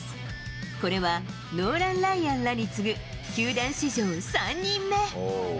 これはノーラン・ライアンらに次ぐ、球団史上３人目。